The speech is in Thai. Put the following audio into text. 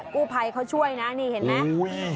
กู้ภัยเขาช่วยนะนี่เห็นไหม